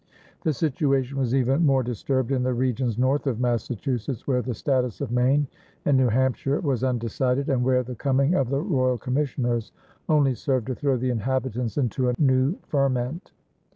The situation was even more disturbed in the regions north of Massachusetts, where the status of Maine and New Hampshire was undecided and where the coming of the royal commissioners only served to throw the inhabitants into a new ferment.